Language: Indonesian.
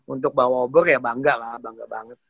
untuk bawa gor ya bangga lah bangga banget